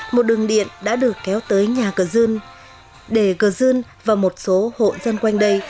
một đường điện đã được kéo tới nhà cơ dương để cơ dương và một số hộ dân quanh đây